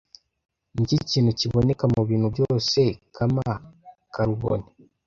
Niki kintu kiboneka mubintu byose kama karubone